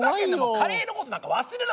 カレーのことなんか忘れろ！